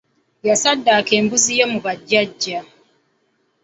Yasaddako embuzi ye mu ba jjaja.